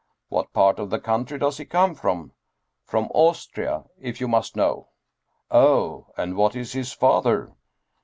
" What part of the country does he come from ?"" From Austria, if you must know." "Oh! and what is his father?"